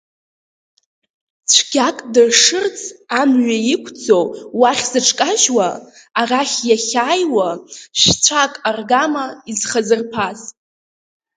Цәгьак дыршырц амҩа иқәӡоу уахь зыҽкажьуа, арахь иахьааиуа шә-цәак аргама изхазырԥаз.